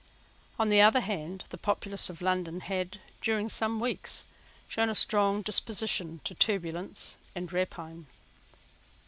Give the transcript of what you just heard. On the other hand, the populace of London had, during some weeks, shown a strong disposition to turbulence and rapine.